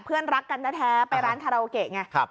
เพื่อนรักกันแท้ไปร้านคาราโอเกะไง